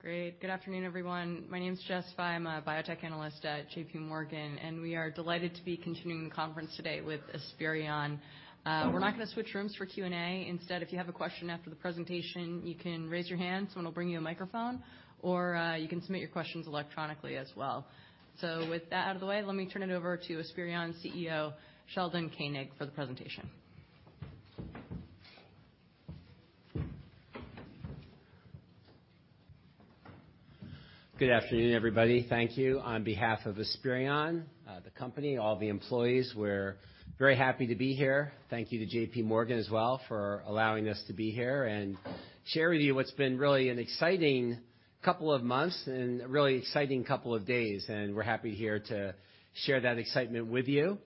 Great. Good afternoon, everyone. My name is Jessica Vega. I'm a biotech analyst at JPMorgan. We are delighted to be continuing the conference today with Esperion. We're not gonna switch rooms for Q&A. Instead, if you have a question after the presentation, you can raise your hand. Someone will bring you a microphone or, you can submit your questions electronically as well. With that out of the way, let me turn it over to Esperion CEO Sheldon Koenig for the presentation. Good afternoon, everybody. Thank you. On behalf of Esperion, the company, all the employees, we're very happy to be here. Thank you to JPMorgan as well for allowing us to be here and share with you what's been really an exciting couple of months and a really exciting couple of days. We're happy here to share that excitement with you.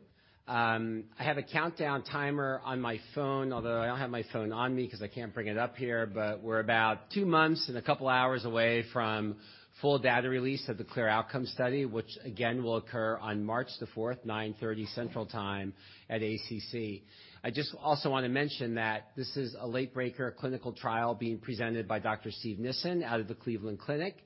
I have a countdown timer on my phone, although I don't have my phone on me 'cause I can't bring it up here. We're about two months and a couple of hours away from full data release of the CLEAR Outcomes study, which again, will occur on March the 4th, 9:30 central time at ACC. I just also wanna mention that this is a late breaker clinical trial being presented by Dr. Steve Nissen out of the Cleveland Clinic.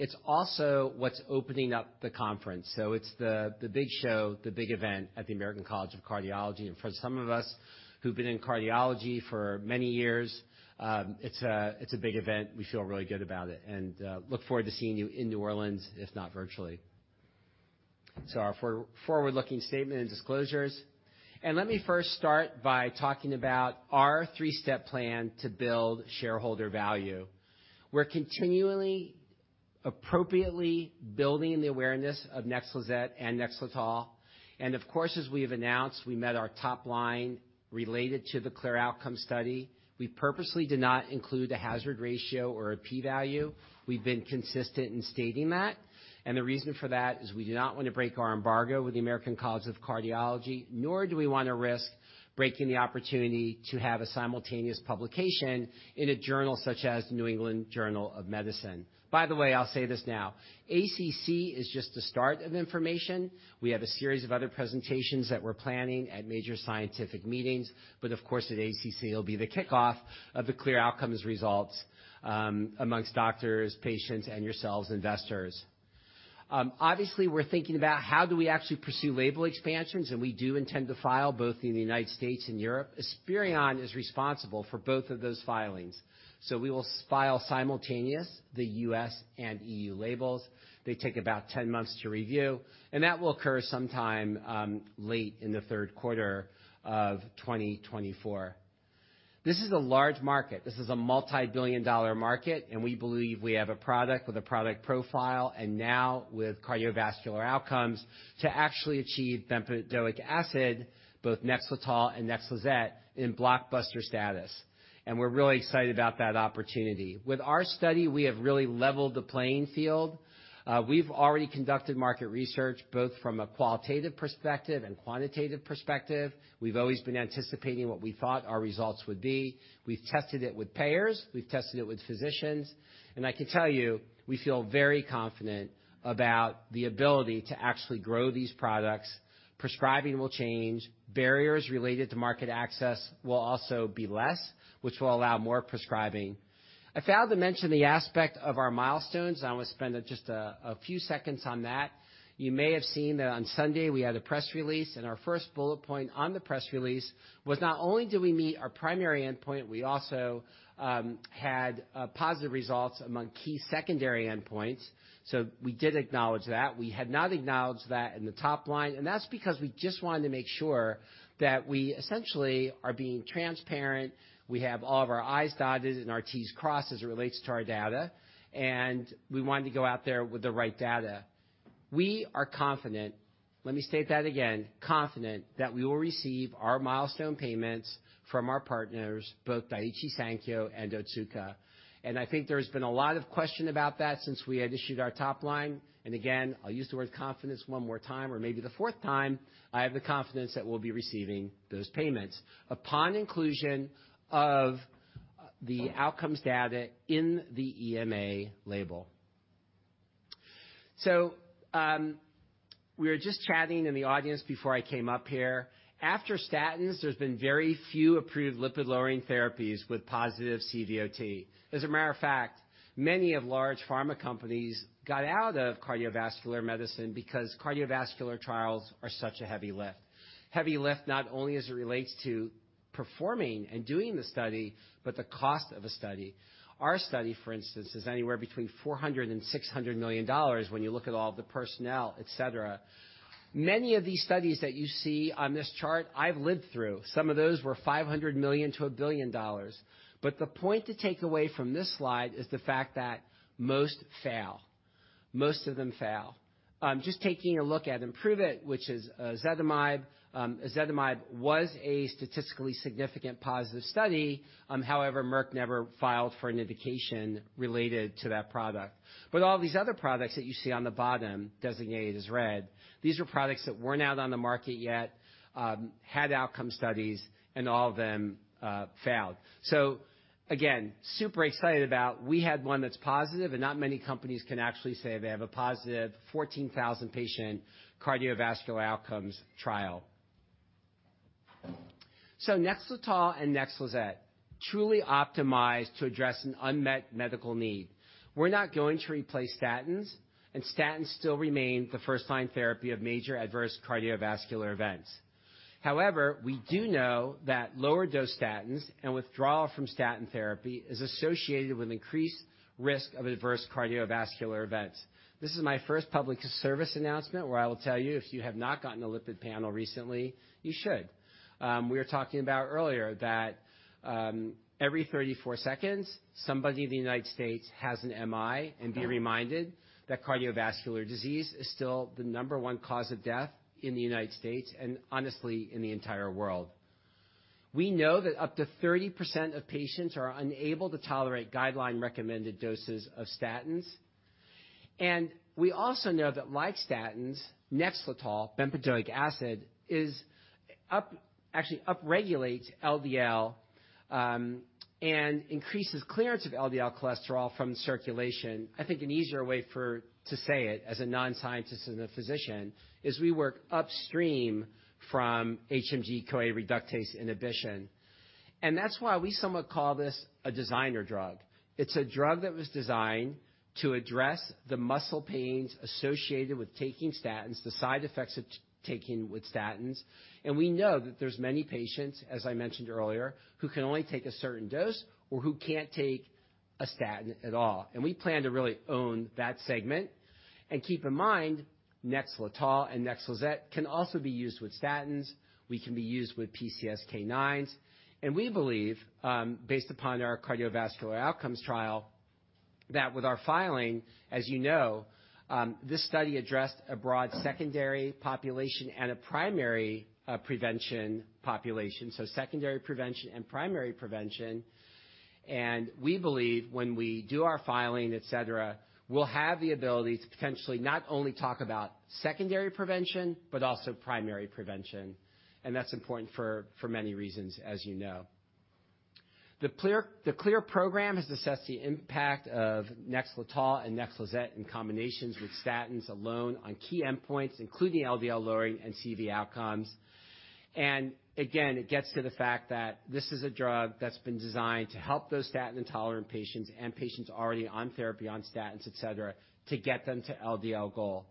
It's also what's opening up the conference, so it's the big show, the big event at the American College of Cardiology. For some of us who've been in cardiology for many years, it's a big event. We feel really good about it, and look forward to seeing you in New Orleans, if not virtually. Our forward-looking statement and disclosures. Let me first start by talking about our three-step plan to build shareholder value. We're continually, appropriately building the awareness of NEXLIZET and NEXLETOL. Of course, as we've announced, we met our top line related to the CLEAR Outcomes study. We purposely did not include a hazard ratio or a p-value. We've been consistent in stating that. The reason for that is we do not want to break our embargo with the American College of Cardiology, nor do we wanna risk breaking the opportunity to have a simultaneous publication in a journal such as New England Journal of Medicine. By the way, I'll say this now. ACC is just the start of information. We have a series of other presentations that we're planning at major scientific meetings, but of course, at ACC, it'll be the kickoff of the CLEAR Outcomes results amongst doctors, patients, and yourselves, investors. Obviously, we're thinking about how do we actually pursue label expansions, and we do intend to file both in the United States and Europe. Esperion is responsible for both of those filings. We will file simultaneous the U.S. and E.U. labels. They take about 10 months to review, and that will occur sometime late in the 3rd quarter of 2024. This is a large market. This is a multi-billion-dollar market, and we believe we have a product with a product profile and now with cardiovascular outcomes to actually achieve bempedoic acid, both NEXLETOL and NEXLIZET in blockbuster status. We're really excited about that opportunity. With our study, we have really leveled the playing field. We've already conducted market research, both from a qualitative perspective and quantitative perspective. We've always been anticipating what we thought our results would be. We've tested it with payers, we've tested it with physicians, and I can tell you, we feel very confident about the ability to actually grow these products. Prescribing will change. Barriers related to market access will also be less, which will allow more prescribing. I failed to mention the aspect of our milestones. I want to spend just a few seconds on that. You may have seen that on Sunday, we had a press release, our first bullet point on the press release was not only do we meet our primary endpoint, we also had positive results among key secondary endpoints. We did acknowledge that. We had not acknowledged that in the top line, that's because we just wanted to make sure that we essentially are being transparent. We have all of our I's dotted and our T's crossed as it relates to our data, we wanted to go out there with the right data. We are confident, let me state that again, confident that we will receive our milestone payments from our partners, both Daiichi Sankyo and Otsuka. I think there's been a lot of question about that since we had issued our top line. Again, I'll use the word confidence one more time or maybe the fourth time. I have the confidence that we'll be receiving those payments upon inclusion of the outcomes data in the EMA label. We were just chatting in the audience before I came up here. After statins, there's been very few approved lipid-lowering therapies with positive CVOT. As a matter of fact, many of large pharma companies got out of cardiovascular medicine because cardiovascular trials are such a heavy lift. Heavy lift not only as it relates to performing and doing the study, but the cost of a study. Our study, for instance, is anywhere between $400 million-$600 million when you look at all the personnel, et cetera. Many of these studies that you see on this chart, I've lived through. Some of those were $500 million-$1 billion. The point to take away from this slide is the fact that most fail. Most of them fail. Just taking a look at IMPROVE-IT, which is ezetimibe. Ezetimibe was a statistically significant positive study. However, Merck never filed for an indication related to that product. All these other products that you see on the bottom designated as red, these are products that weren't out on the market yet, had outcome studies, and all of them failed. Again, super excited about we had one that's positive, and not many companies can actually say they have a positive 14,000 patient cardiovascular outcomes trial. NEXLETOL and NEXLIZET truly optimize to address an unmet medical need. We're not going to replace statins, and statins still remain the first-line therapy of major adverse cardiovascular events. However, we do know that lower dose statins and withdrawal from statin therapy is associated with increased risk of adverse cardiovascular events. This is my first public service announcement where I will tell you, if you have not gotten a lipid panel recently, you should. We were talking about earlier that every 34 seconds, somebody in the United States has an MI and be reminded that cardiovascular disease is still the number one cause of death in the United States and honestly, in the entire world. We know that up to 30% of patients are unable to tolerate guideline-recommended doses of statins, and we also know that like statins, NEXLETOL, bempedoic acid, actually up-regulates LDL and increases clearance of LDL cholesterol from circulation. I think an easier way for to say it as a non-scientist and a physician is we work upstream from HMG-CoA reductase inhibition. That's why we somewhat call this a designer drug. It's a drug that was designed to address the muscle pains associated with taking statins, the side effects of taking with statins, and we know that there's many patients, as I mentioned earlier, who can only take a certain dose or who can't take a statin at all, and we plan to really own that segment. Keep in mind, NEXLETOL and NEXLIZET can also be used with statins, we can be used with PCSK9s, and we believe, based upon our cardiovascular outcomes trial, that with our filing, as you know, this study addressed a broad secondary population and a primary prevention population, so secondary prevention and primary prevention. We believe when we do our filing, et cetera, we'll have the ability to potentially not only talk about secondary prevention but also primary prevention, and that's important for many reasons, as you know. The CLEAR program has assessed the impact of NEXLETOL and NEXLIZET in combinations with statins alone on key endpoints, including LDL lowering and CV outcomes. Again, it gets to the fact that this is a drug that's been designed to help those statin-intolerant patients and patients already on therapy, on statins, et cetera, to get them to LDL goal.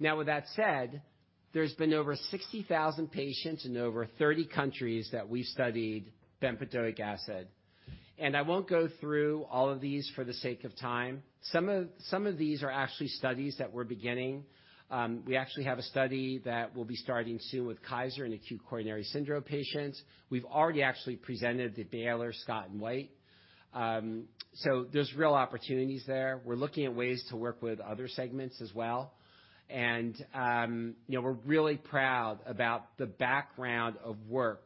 Now, with that said, there's been over 60,000 patients in over 30 countries that we studied bempedoic acid. I won't go through all of these for the sake of time. Some of these are actually studies that we're beginning. We actually have a study that we'll be starting soon with Kaiser in acute coronary syndrome patients. We've already actually presented the Baylor Scott & White. There's real opportunities there. We're looking at ways to work with other segments as well. You know, we're really proud about the background of work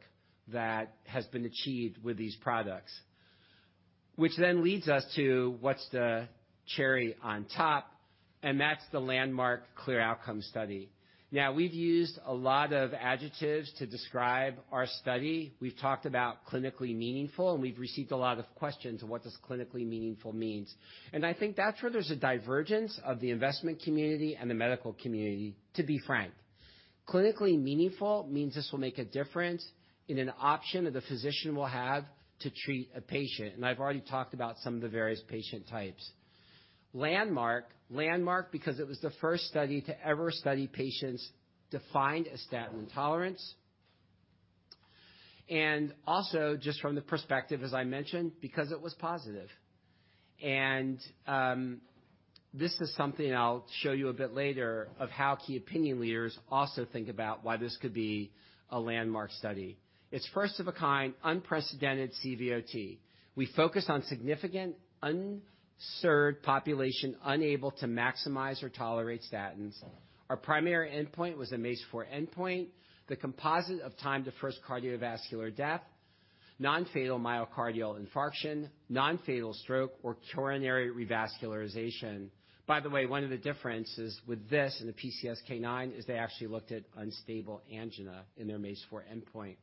that has been achieved with these products. Which leads us to what's the cherry on top, and that's the landmark CLEAR Outcomes study. Now, we've used a lot of adjectives to describe our study. We've talked about clinically meaningful, and we've received a lot of questions on what does clinically meaningful means. I think that's where there's a divergence of the investment community and the medical community, to be frank. Clinically meaningful means this will make a difference in an option that the physician will have to treat a patient, and I've already talked about some of the various patient types. Landmark. Landmark because it was the first study to ever study patients defined as statin intolerance. Also just from the perspective, as I mentioned, because it was positive. This is something I'll show you a bit later of how key opinion leaders also think about why this could be a landmark study. It's first of a kind, unprecedented CVOT. We focus on significant, unserved population unable to maximize or tolerate statins. Our primary endpoint was a MACE-4 endpoint, the composite of time to first cardiovascular death, non-fatal myocardial infarction, non-fatal stroke, or coronary revascularization. By the way, one of the differences with this and the PCSK9 is they actually looked at unstable angina in their MACE-4 endpoint.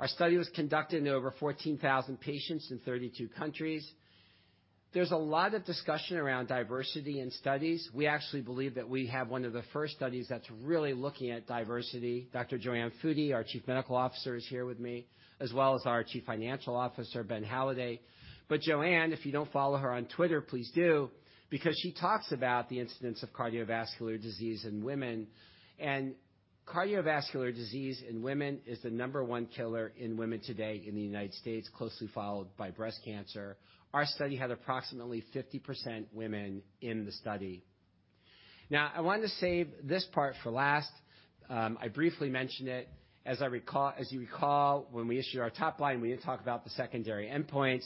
Our study was conducted in over 14,000 patients in 32 countries. There's a lot of discussion around diversity in studies. We actually believe that we have one of the first studies that's really looking at diversity. Dr. JoAnne Foody, our Chief Medical Officer, is here with me, as well as our Chief Financial Officer, Ben Halladay. JoAnne, if you don't follow her on Twitter, please do, because she talks about the incidence of cardiovascular disease in women. Cardiovascular disease in women is the number one killer in women today in the United States, closely followed by breast cancer. Our study had approximately 50% women in the study. Now, I wanted to save this part for last. I briefly mentioned it. As you recall, when we issued our top line, we didn't talk about the secondary endpoints,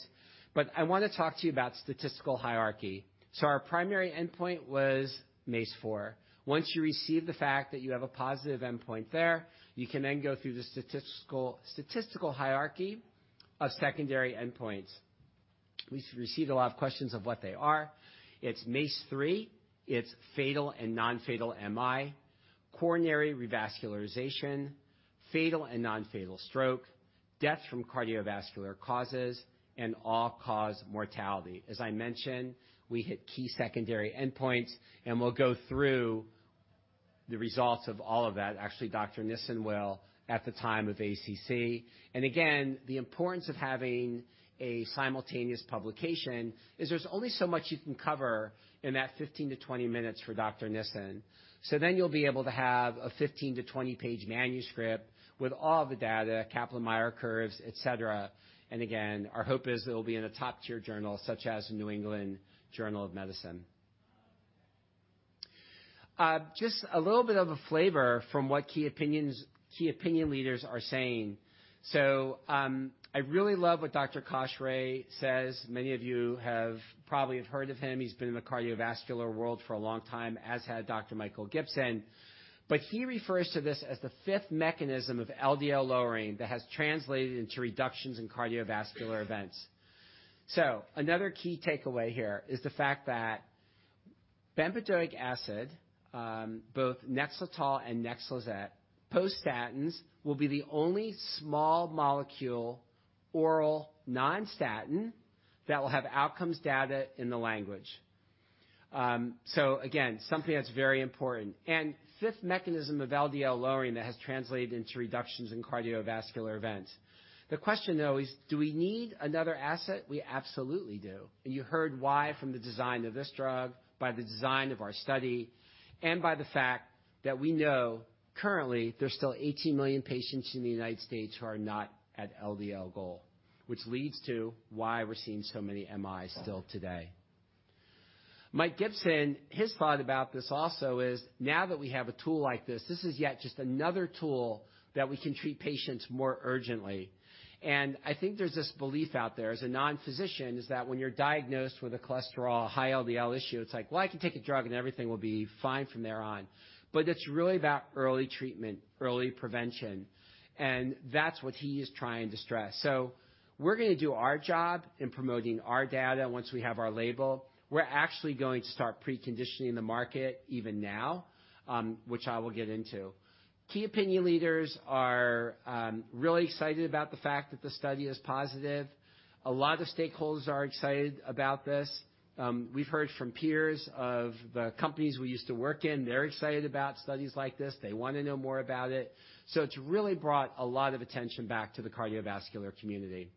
but I wanna talk to you about statistical hierarchy. Our primary endpoint was MACE-4. Once you receive the fact that you have a positive endpoint there, you can then go through the statistical hierarchy of secondary endpoints. We received a lot of questions of what they are. It's MACE-3. It's fatal and non-fatal MI, coronary revascularization, fatal and non-fatal stroke, death from cardiovascular causes, and all-cause mortality. As I mentioned, we hit key secondary endpoints, and we'll go through the results of all of that, actually, Dr. Nissen will at the time of ACC. Again, the importance of having a simultaneous publication is there's only so much you can cover in that 15-20 minutes for Dr. Nissen. You'll be able to have a 15-20-page manuscript with all the data, Kaplan-Meier curves, et cetera. Again, our hope is it'll be in a top-tier journal such as New England Journal of Medicine. Just a little bit of a flavor from what key opinion leaders are saying. I really love what Dr. Kausik Ray says. Many of you have probably heard of him. He's been in the cardiovascular world for a long time, as had Dr. Michael Gibson. He refers to this as the fifth mechanism of LDL lowering that has translated into reductions in cardiovascular events. Another key takeaway here is the fact that bempedoic acid, both NEXLETOL and NEXLIZET, post statins, will be the only small molecule oral non-statin that will have outcomes data in the language. Again, something that's very important. fifth mechanism of LDL lowering that has translated into reductions in cardiovascular events. The question, though, is do we need another asset? We absolutely do. You heard why from the design of this drug, by the design of our study, and by the fact that we know currently there's still 18 million patients in the United States who are not at LDL goal, which leads to why we're seeing so many MIs still today. Mike Gibson, his thought about this also is now that we have a tool like this is yet just another tool that we can treat patients more urgently. I think there's this belief out there as a non-physician is that when you're diagnosed with a cholesterol high LDL issue, it's like, "Well, I can take a drug and everything will be fine from there on." It's really about early treatment, early prevention, and that's what he is trying to stress. We're going to do our job in promoting our data once we have our label. We're actually going to start preconditioning the market even now, which I will get into. Key opinion leaders are really excited about the fact that the study is positive. A lot of stakeholders are excited about this. We've heard from peers of the companies we used to work in. They're excited about studies like this. They wanna know more about it. It's really brought a lot of attention back to the cardiovascular community.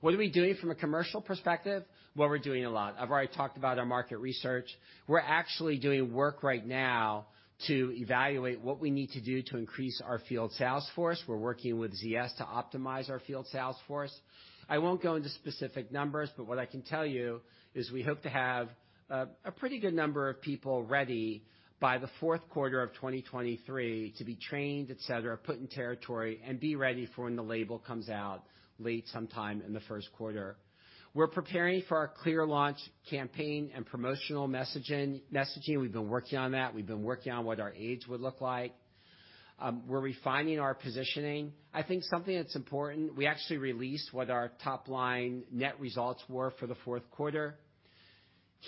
What are we doing from a commercial perspective? Well, we're doing a lot. I've already talked about our market research. We're actually doing work right now to evaluate what we need to do to increase our field sales force. We're working with ZS to optimize our field sales force. I won't go into specific numbers, but what I can tell you is we hope to have a pretty good number of people ready by the fourth quarter of 2023 to be trained, et cetera, put in territory, and be ready for when the label comes out late sometime in the first quarter. We're preparing for our CLEAR launch campaign and promotional messaging. We've been working on that. We've been working on what our aids would look like. We're refining our positioning. I think something that's important, we actually released what our top-line net results were for the fourth quarter.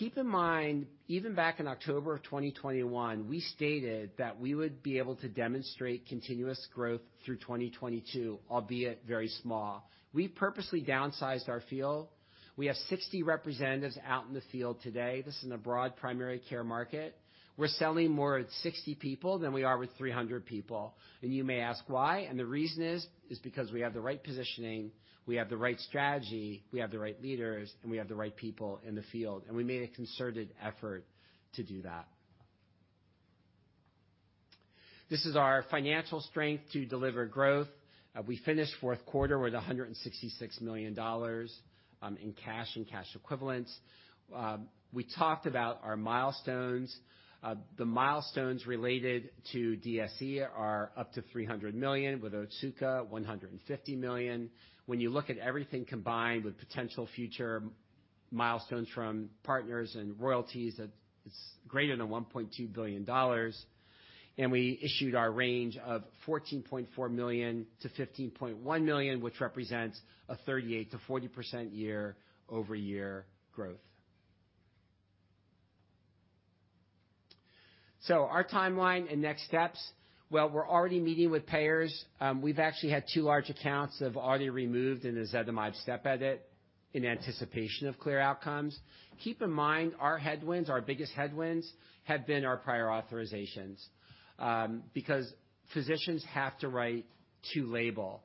Keep in mind, even back in October of 2021, we stated that we would be able to demonstrate continuous growth through 2022, albeit very small. We purposely downsized our field. We have 60 representatives out in the field today. This is a broad primary care market. We're selling more at 60 people than we are with 300 people. You may ask why, and the reason is because we have the right positioning, we have the right strategy, we have the right leaders, and we have the right people in the field, and we made a concerted effort to do that. This is our financial strength to deliver growth. We finished fourth quarter with $166 million in cash and cash equivalents. We talked about our milestones. The milestones related to DSE are up to $300 million, with Otsuka $150 million. When you look at everything combined with potential future milestones from partners and royalties, that is greater than $1.2 billion. We issued our range of $14.4 million-$15.1 million, which represents a 38%-40% year-over-year growth. Our timeline and next steps. Well, we're already meeting with payers. We've actually had two large accounts have already removed in the ezetimibe step edit in anticipation of CLEAR Outcomes. Keep in mind, our headwinds, our biggest headwinds have been our prior authorizations, because physicians have to write to label.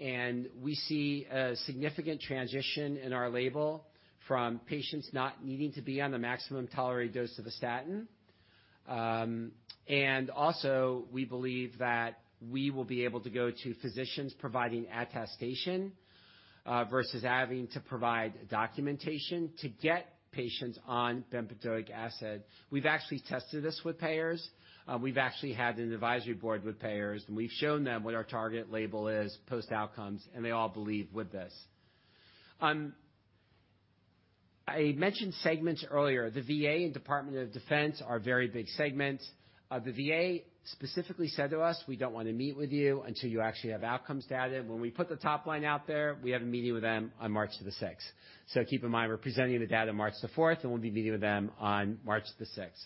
We see a significant transition in our label from patients not needing to be on the maximum tolerated dose of a statin. Also we believe that we will be able to go to physicians providing attestation vs having to provide documentation to get patients on bempedoic acid. We've actually tested this with payers. We've actually had an Advisory Committee with payers, and we've shown them what our target label is post-outcomes, and they all believe with this. I mentioned segments earlier. The VA and Department of Defense are very big segments. The VA specifically said to us, "We don't want to meet with you until you actually have outcomes data." When we put the top line out there, we have a meeting with them on March the 6th. Keep in mind, we're presenting the data March the 4th, and we'll be meeting with them on March the 6th.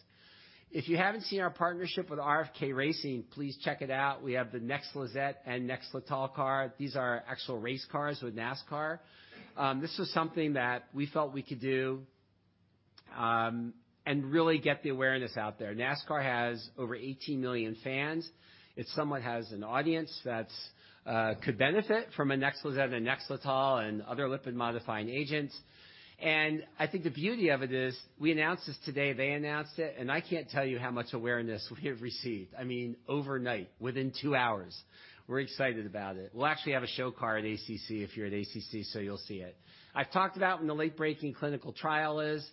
If you haven't seen our partnership with RFK Racing, please check it out. We have the NEXLIZET and NEXLETOL car. These are actual race cars with NASCAR. This was something that we felt we could do and really get the awareness out there. NASCAR has over 18 million fans. It somewhat has an audience that's could benefit from a NEXLETOL and other lipid-modifying agents. I think the beauty of it is we announced this today, they announced it, and I can't tell you how much awareness we have received. I mean, overnight, within two hours. We're excited about it. We'll actually have a show car at ACC if you're at ACC, so you'll see it. I've talked about when the late-breaking clinical trial is.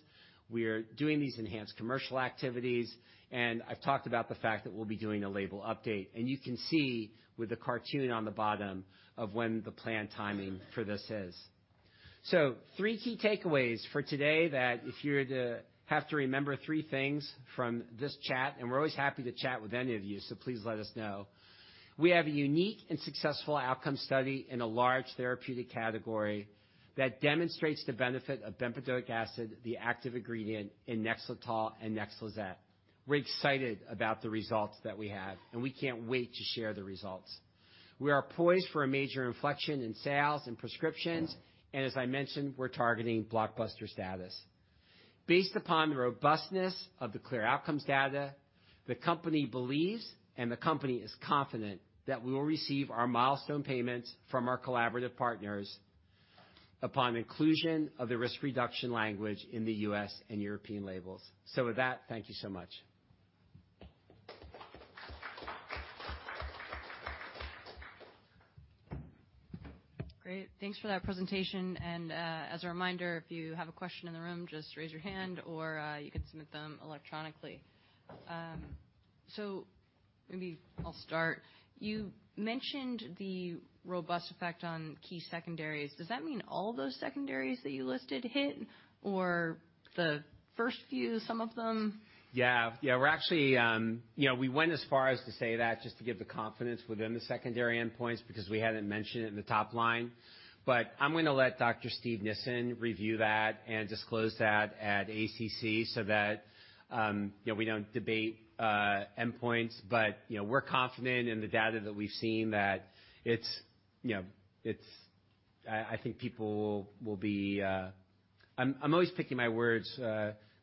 We are doing these enhanced commercial activities, and I've talked about the fact that we'll be doing a label update. You can see with the cartoon on the bottom of when the planned timing for this is. three key takeaways for today that if you're to have to remember three things from this chat, and we're always happy to chat with any of you, so please let us know. We have a unique and successful outcome study in a large therapeutic category that demonstrates the benefit of bempedoic acid, the active ingredient in NEXLETOL and NEXLIZET. We're excited about the results that we have, and we can't wait to share the results. We are poised for a major inflection in sales and prescriptions, and as I mentioned, we're targeting blockbuster status. Based upon the robustness of the CLEAR Outcomes data, the company believes, and the company is confident that we will receive our milestone payments from our collaborative partners upon inclusion of the risk reduction language in the U.S. and European labels. With that, thank you so much. Great. Thanks for that presentation. As a reminder, if you have a question in the room, just raise your hand or you can submit them electronically. Maybe I'll start. You mentioned the robust effect on key secondaries. Does that mean all those secondaries that you listed hit or the first few, some of them? Yeah. Yeah. We're actually, you know, we went as far as to say that just to give the confidence within the secondary endpoints because we hadn't mentioned it in the top line. I'm gonna let Dr. Steve Nissen review that and disclose that at ACC so that, you know, we don't debate endpoints. You know, we're confident in the data that we've seen that it's, you know, I think people will be. I'm always picking my words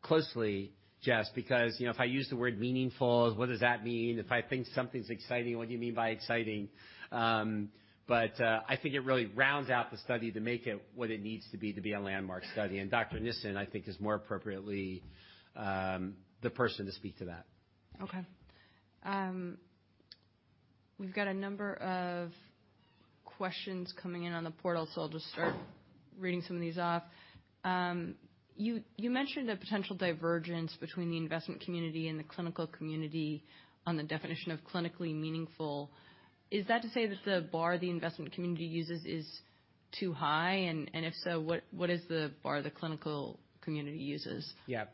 closely, Jess, because, you know, if I use the word meaningful, what does that mean? If I think something's exciting, what do you mean by exciting? I think it really rounds out the study to make it what it needs to be to be a landmark study. Dr. Nissen, I think, is more appropriately, the person to speak to that. Okay. We've got a number of questions coming in on the portal, so I'll just start reading some of these off. You mentioned a potential divergence between the investment community and the clinical community on the definition of clinically meaningful. Is that to say that the bar the investment community uses is too high? And if so, what is the bar the clinical community uses? Yeah.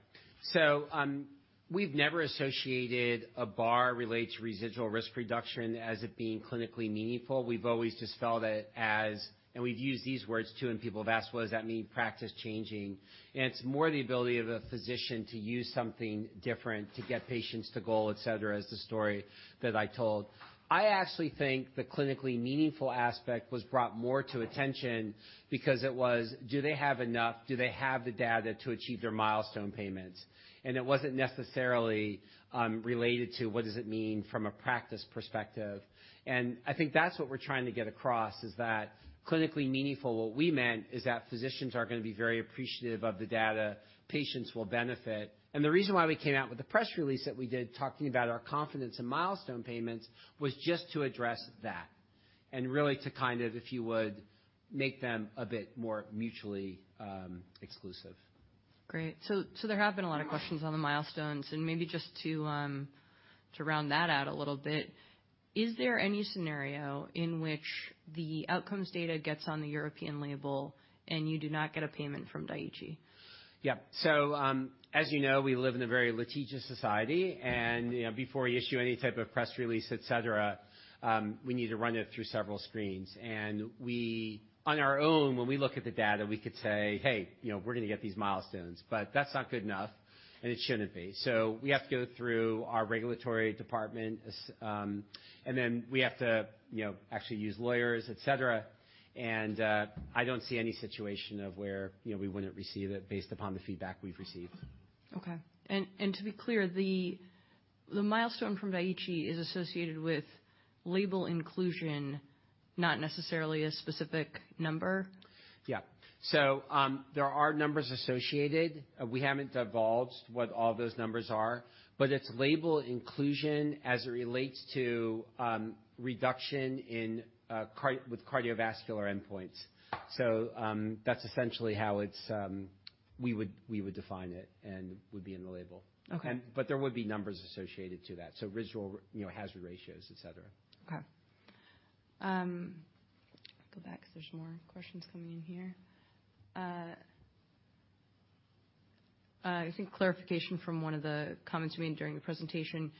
We've never associated a bar relate to residual risk reduction as it being clinically meaningful. We've always just felt it as, and we've used these words, too, and people have asked, "Well, does that mean practice-changing?" It's more the ability of a physician to use something different to get patients to goal, et cetera, is the story that I told. I actually think the clinically meaningful aspect was brought more to attention because it was, do they have enough? Do they have the data to achieve their milestone payments? It wasn't necessarily related to what does it mean from a practice perspective. I think that's what we're trying to get across, is that clinically meaningful, what we meant is that physicians are gonna be very appreciative of the data, patients will benefit. The reason why we came out with the press release that we did, talking about our confidence in milestone payments, was just to address that and really to kind of, if you would, make them a bit more mutually exclusive. Great. There have been a lot of questions on the milestones, and maybe just to round that out a little bit, is there any scenario in which the outcomes data gets on the European label and you do not get a payment from Daiichi? Yeah. As you know, we live in a very litigious society, and, you know, before we issue any type of press release, et cetera, we need to run it through several screens. On our own, when we look at the data, we could say, "Hey, you know, we're gonna get these milestones," but that's not good enough, and it shouldn't be. We have to go through our regulatory department, and then we have to, you know, actually use lawyers, et cetera. I don't see any situation of where, you know, we wouldn't receive it based upon the feedback we've received. Okay. To be clear, the milestone from Daiichi is associated with label inclusion, not necessarily a specific number? Yeah. There are numbers associated. We haven't divulged what all those numbers are, but it's label inclusion as it relates to reduction in cardiovascular endpoints. That's essentially how it's, we would define it and would be in the label. Okay. There would be numbers associated to that, so residual, you know, hazard ratios, et cetera. Go back 'cause there's more questions coming in here. I think clarification from one of the comments made during the presentation.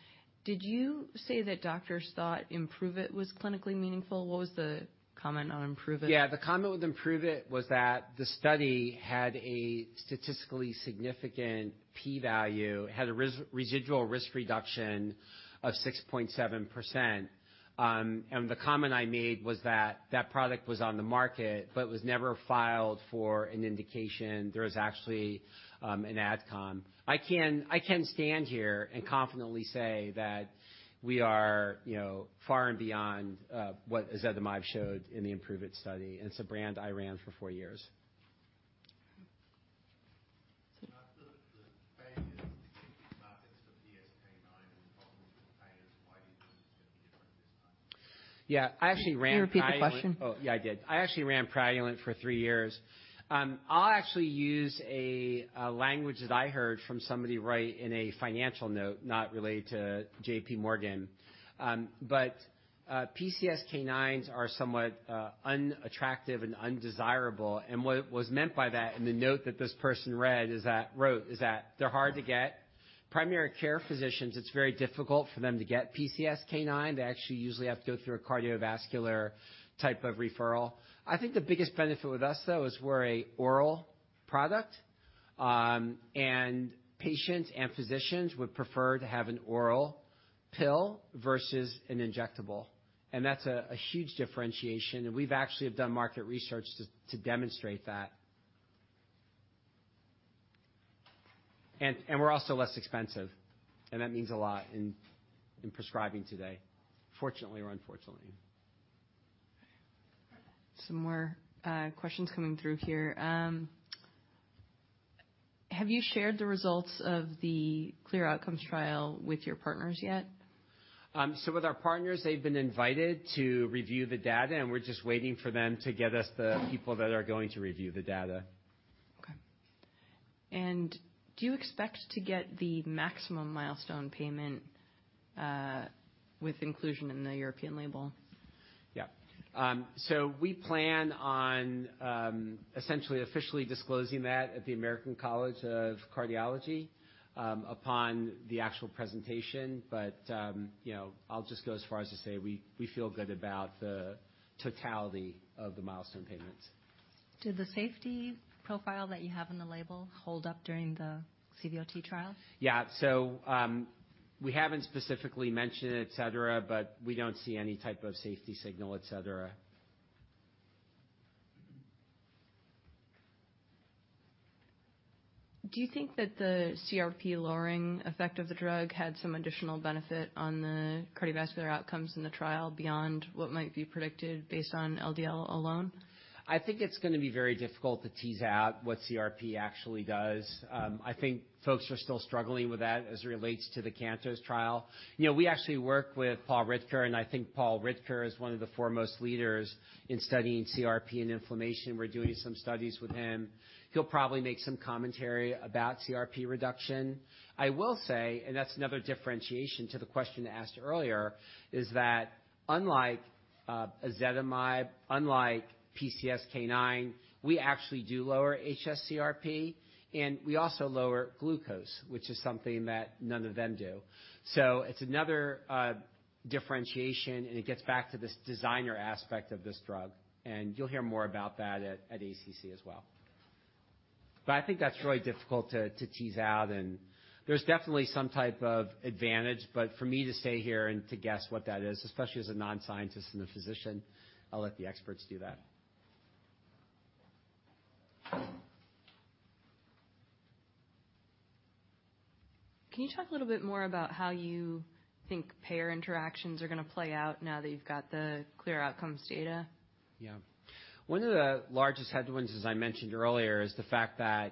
Did you say that doctors thought IMPROVE-IT was clinically meaningful? What was the comment on IMPROVE-IT? The comment with IMPROVE-IT was that the study had a statistically significant p-value. It had a residual risk reduction of 6.7%. The comment I made was that that product was on the market but was never filed for an indication. There was actually an Advisory Committee. I can stand here and confidently say that we are, you know, far and beyond what ezetimibe showed in the IMPROVE-IT study, and it's a brand I ran for four years. I actually ran- Can you repeat the question? Oh, yeah, I did. I actually ran Pradaxa for three years. I'll actually use a language that I heard from somebody right in a financial note, not related to JPMorgan. PCSK9s are somewhat unattractive and undesirable. What was meant by that in the note that this person wrote, is that they're hard to get. Primary care physicians, it's very difficult for them to get PCSK9. They actually usually have to go through a cardiovascular type of referral. I think the biggest benefit with us, though, is we're a oral product. Patients and physicians would prefer to have an oral pill vs an injectable. That's a huge differentiation, and we've actually have done market research to demonstrate that. We're also less expensive, and that means a lot in prescribing today, fortunately or unfortunately. Some more, questions coming through here. Have you shared the results of the CLEAR Outcomes trial with your partners yet? With our partners, they've been invited to review the data, and we're just waiting for them to get us the people that are going to review the data. Okay. Do you expect to get the maximum milestone payment, with inclusion in the European label? Yeah. We plan on essentially officially disclosing that at the American College of Cardiology, upon the actual presentation. You know, I'll just go as far as to say we feel good about the totality of the milestone payments. Did the safety profile that you have in the label hold up during the CVOT trial? Yeah. We haven't specifically mentioned it, et cetera, but we don't see any type of safety signal, et cetera. Do you think that the CRP lowering effect of the drug had some additional benefit on the cardiovascular outcomes in the trial beyond what might be predicted based on LDL alone? I think it's gonna be very difficult to tease out what CRP actually does. I think folks are still struggling with that as it relates to the CANTOS trial. You know, we actually work with Paul Ridker, and I think Paul Ridker is one of the foremost leaders in studying CRP and inflammation. We're doing some studies with him. He'll probably make some commentary about CRP reduction. I will say, and that's another differentiation to the question asked earlier, is that unlike ezetimibe, unlike PCSK9, we actually do lower hsCRP, and we also lower glucose, which is something that none of them do. It's another differentiation, and it gets back to this designer aspect of this drug, and you'll hear more about that at ACC as well. I think that's really difficult to tease out. There's definitely some type of advantage, but for me to stay here and to guess what that is, especially as a non-scientist and a physician, I'll let the experts do that. Can you talk a little bit more about how you think payer interactions are gonna play out now that you've got the CLEAR Outcomes data? Yeah. One of the largest headwinds, as I mentioned earlier, is the fact that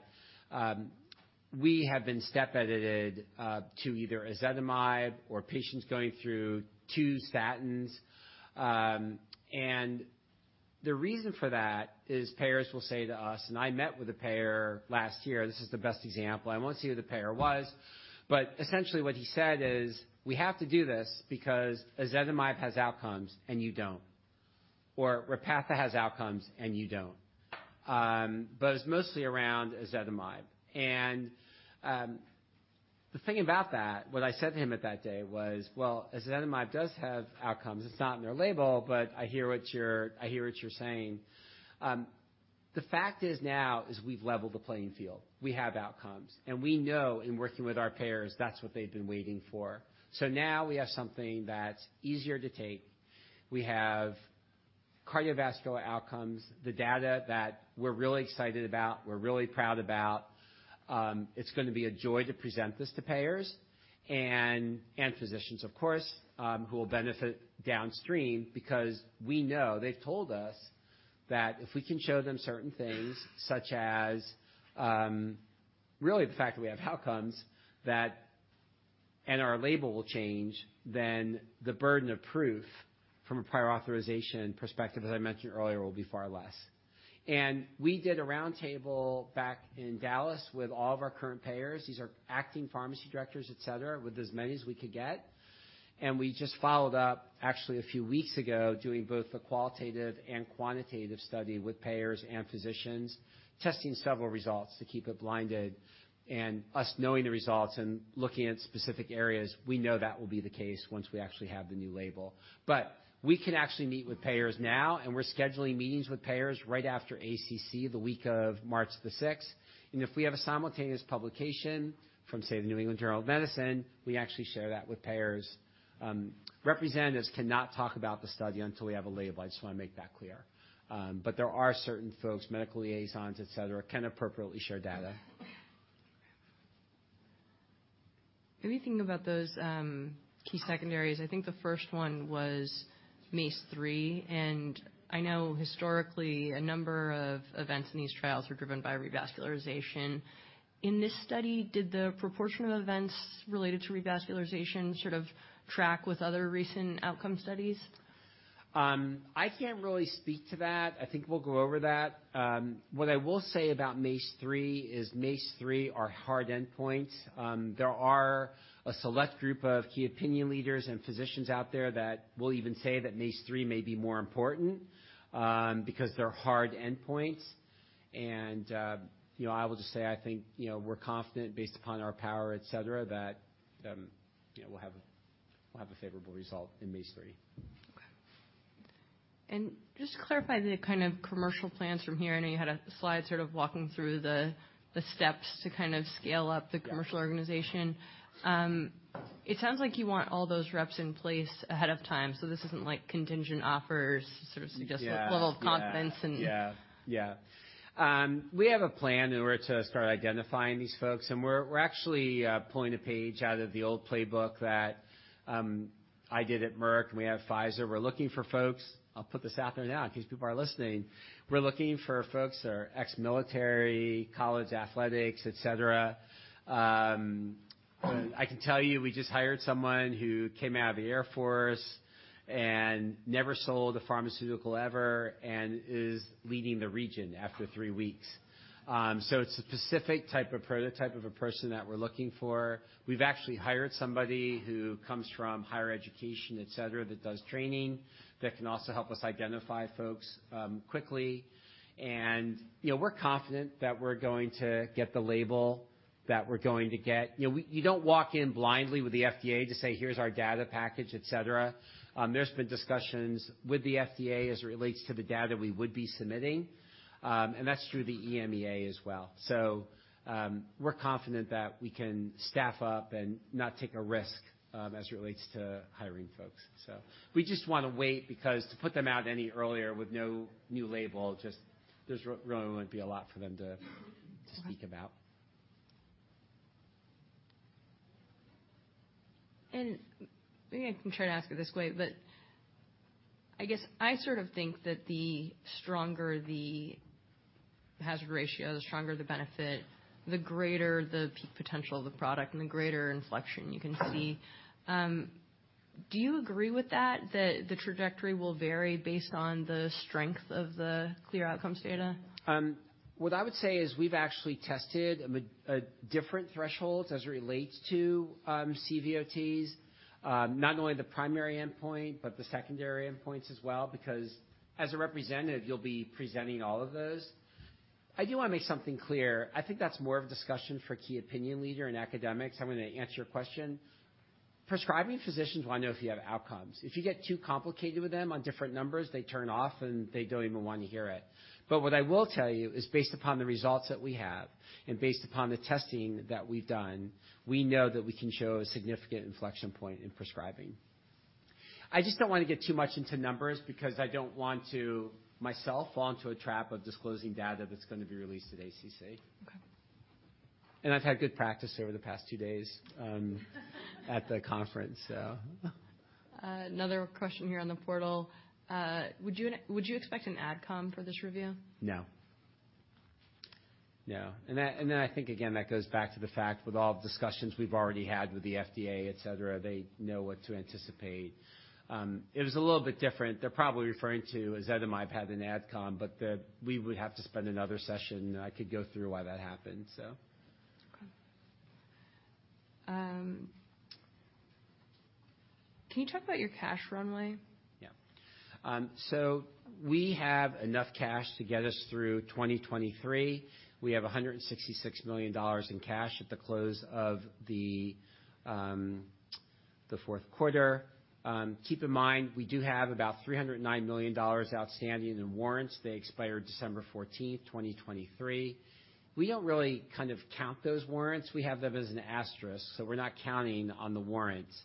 we have been step edited to either ezetimibe or patients going through two statins. The reason for that is payers will say to us, and I met with a payer last year. This is the best example. I won't say who the payer was, but essentially what he said is, "We have to do this because ezetimibe has outcomes and you don't." Or, "Repatha has outcomes and you don't." It's mostly around ezetimibe. The thing about that, what I said to him at that day was, "Well, ezetimibe does have outcomes. It's not in their label, but I hear what you're saying." The fact is now is we've leveled the playing field. We have outcomes. We know in working with our payers, that's what they've been waiting for. Now we have something that's easier to take. We have cardiovascular outcomes, the data that we're really excited about, we're really proud about. It's gonna be a joy to present this to payers and physicians, of course, who will benefit downstream because we know they've told us that if we can show them certain things such as, really the fact that we have outcomes that... and our label will change, then the burden of proof from a prior authorization perspective, as I mentioned earlier, will be far less. We did a round table back in Dallas with all of our current payers, these are acting pharmacy directors, et cetera, with as many as we could get. We just followed up actually a few weeks ago, doing both the qualitative and quantitative study with payers and physicians, testing several results to keep it blinded. Us knowing the results and looking at specific areas, we know that will be the case once we actually have the new label. We can actually meet with payers now, and we're scheduling meetings with payers right after ACC, the week of March 6th. If we have a simultaneous publication from, say, the New England Journal of Medicine, we actually share that with payers. Representatives cannot talk about the study until we have a label. I just wanna make that clear. There are certain folks, medical liaisons, et cetera, can appropriately share data. Let me think about those key secondaries. I think the first one was MACE-3. I know historically a number of events in these trials were driven by revascularization. In this study, did the proportion of events related to revascularization sort of track with other recent outcome studies? I can't really speak to that. I think we'll go over that. What I will say about MACE-3 is MACE-3 are hard endpoints. There are a select group of key opinion leaders and physicians out there that will even say that MACE-3 may be more important, because they're hard endpoints, and, you know, I will just say, I think, you know, we're confident based upon our power, et cetera, that, you know, we'll have a favorable result in MACE-3. Okay. just to clarify the kind of commercial plans from here, I know you had a slide sort of walking through the steps to kind of scale up. Yeah. the commercial organization. It sounds like you want all those reps in place ahead of time, so this isn't like contingent offers to sort of suggest-. Yeah. -what level of confidence and- Yeah. Yeah. We have a plan in order to start identifying these folks, we're actually pulling a page out of the old playbook that I did at Merck. We had Pfizer. We're looking for folks. I'll put this out there now in case people are listening. We're looking for folks that are ex-military, college athletics, et cetera. I can tell you, we just hired someone who came out of the Air Force and never sold a pharmaceutical ever and is leading the region after three weeks. So it's a specific type of prototype of a person that we're looking for. We've actually hired somebody who comes from higher education, et cetera, that does training, that can also help us identify folks quickly. You know, we're confident that we're going to get the label that we're going to get. You know, you don't walk in blindly with the FDA to say, "Here's our data package," et cetera. There's been discussions with the FDA as it relates to the data we would be submitting, and that's through the EMEA as well. We're confident that we can staff up and not take a risk, as it relates to hiring folks, so. We just wanna wait because to put them out any earlier with no new label, just, there really wouldn't be a lot for them to speak about. Maybe I can try to ask it this way, I guess I sort of think that the stronger the hazard ratio, the stronger the benefit, the greater the peak potential of the product and the greater inflection you can see. Do you agree with that the trajectory will vary based on the strength of the CLEAR Outcomes data? What I would say is we've actually tested different thresholds as it relates to CVOTs, not only the primary endpoint, but the secondary endpoints as well, because as a representative, you'll be presenting all of those. I do wanna make something clear. I think that's more of a discussion for key opinion leader and academics. I'm gonna answer your question. Prescribing physicians wanna know if you have outcomes. If you get too complicated with them on different numbers, they turn off, and they don't even wanna hear it. What I will tell you is based upon the results that we have and based upon the testing that we've done, we know that we can show a significant inflection point in prescribing. I just don't wanna get too much into numbers because I don't want to, myself, fall into a trap of disclosing data that's gonna be released at ACC. Okay. I've had good practice over the past two days at the conference, so. Another question here on the portal. Would you expect an Advisory Committee for this review? No. No. I think again, that goes back to the fact with all the discussions we've already had with the FDA, et cetera, they know what to anticipate. It was a little bit different. They're probably referring to ezetimibe had an Advisory Committee. We would have to spend another session. I could go through why that happened. Okay. Can you talk about your cash runway? Yeah. We have enough cash to get us through 2023. We have $166 million in cash at the close of the fourth quarter. Keep in mind, we do have about $309 million outstanding in warrants. They expire December 14th, 2023. We don't really kind of count those warrants. We have them as an asterisk, we're not counting on the warrants.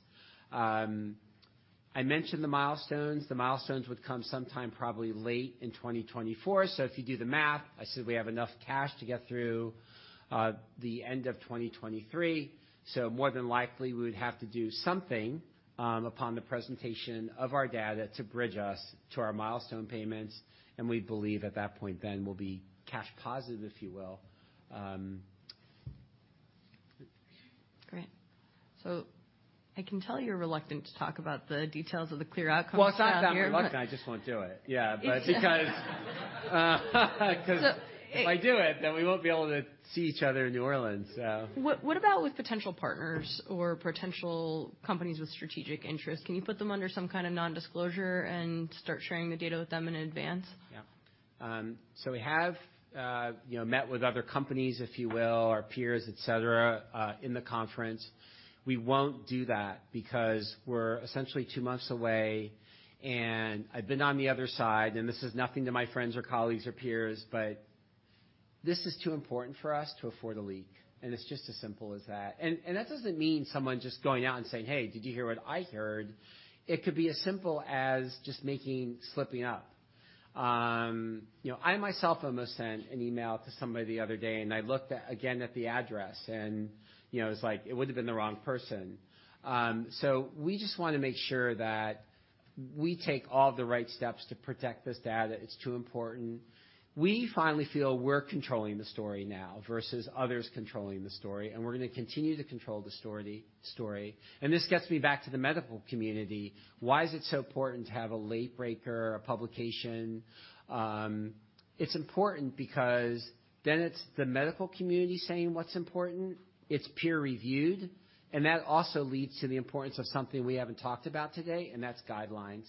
I mentioned the milestones. The milestones would come sometime probably late in 2024. If you do the math, I said we have enough cash to get through the end of 2023. More than likely, we would have to do something upon the presentation of our data to bridge us to our milestone payments, and we believe at that point then we'll be cash positive, if you will. Great. I can tell you're reluctant to talk about the details of the CLEAR Outcomes down here, but. Well, it's not that I'm reluctant. I just won't do it. Yeah, 'Cause if I do it, then we won't be able to see each other in New Orleans, so. What about with potential partners or potential companies with strategic interests? Can you put them under some kind of nondisclosure and start sharing the data with them in advance? Yeah. We have, you know, met with other companies, if you will, our peers, et cetera, in the conference. We won't do that because we're essentially two months away. I've been on the other side. This is nothing to my friends or colleagues or peers, but this is too important for us to afford a leak. It's just as simple as that. That doesn't mean someone just going out and saying, "Hey, did you hear what I heard?" It could be as simple as just slipping up. You know, I myself almost sent an email to somebody the other day. I looked at, again at the address and, you know, it's like it would've been the wrong person. We just wanna make sure that we take all the right steps to protect this data. It's too important. We finally feel we're controlling the story now vs others controlling the story, and we're gonna continue to control the story. This gets me back to the medical community. Why is it so important to have a late breaker, a publication? It's important because then it's the medical community saying what's important. It's peer-reviewed, and that also leads to the importance of something we haven't talked about today, and that's guidelines.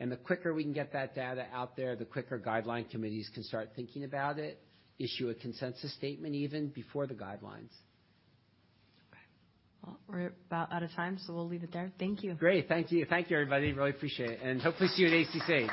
The quicker we can get that data out there, the quicker guideline committees can start thinking about it, issue a consensus statement even, before the guidelines. Okay. Well, we're about out of time, so we'll leave it there. Thank you. Great. Thank you. Thank you, everybody. Really appreciate it. Hopefully see you at ACC.